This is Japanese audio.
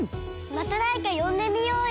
まただれかよんでみようよ！